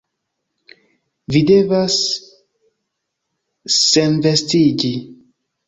Vi devas senvestiĝi...